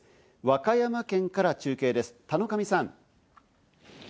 和歌山県から中継です、田上さん。